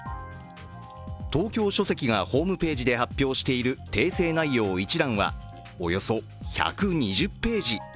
東京書籍がホームページで発表している訂正内容一覧は、およそ１２０ページ。